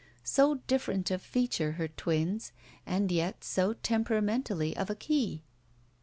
So different of feature her twins and yet so tempera mentally of a key.